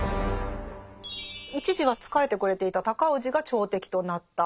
一時は仕えてくれていた尊氏が朝敵となった。